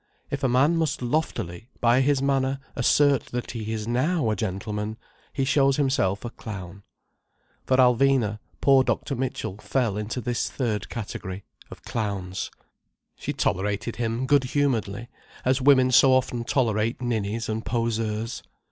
If a man must loftily, by his manner, assert that he is now a gentleman, he shows himself a clown. For Alvina, poor Dr. Mitchell fell into this third category, of clowns. She tolerated him good humouredly, as women so often tolerate ninnies and poseurs.